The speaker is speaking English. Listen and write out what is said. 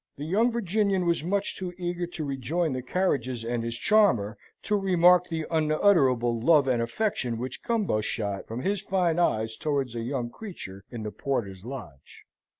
The young Virginian was much too eager to rejoin the carriages and his charmer, to remark the unutterable love and affection which Gumbo shot from his fine eyes towards a young creature in the porter's lodge.